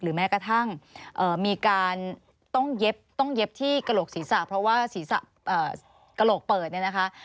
แม้กระทั่งมีการต้องเย็บที่กระโหลกศีรษะเพราะว่าศีรษะกระโหลกเปิดเนี่ยนะคะ